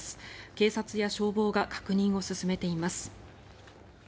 警察や消防が確認を進めています。